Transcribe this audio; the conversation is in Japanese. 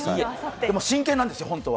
でも真剣なんですよ、本当は。